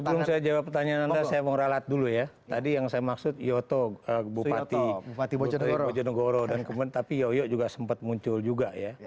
sebelum saya jawab pertanyaan anda saya mau ralat dulu ya tadi yang saya maksud yoto bupati bojonegoro dan kemudian tapi yoyo juga sempat muncul juga ya